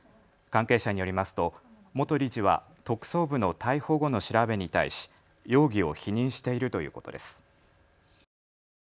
関係者によりますと元理事は特捜部の逮捕後の調べに対し容疑を否認しているということです。